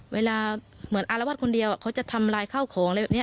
เวลาเหมือนอารวาสคนเดียวเขาจะทำลายข้าวของอะไรแบบนี้